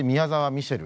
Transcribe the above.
ミシェル。